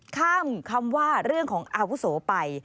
ข้ามคำว่าเรื่องของอาวุโสไป